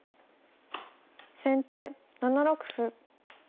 先手７六歩。